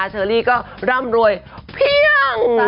เชอรี่ก็ร่ำรวยเพียง